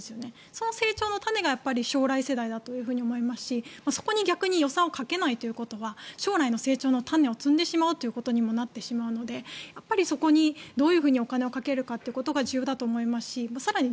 その成長の種が将来世代だと思いますしそこに逆に予算をかけないということは将来の成長の種を摘んでしまうことにもなってしまうのでやっぱりそこにどうお金をかけるかが重要だと思いますし更に